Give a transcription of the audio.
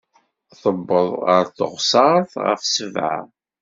Tuweḍ ɣer tuɣsert ɣef ssebɛa.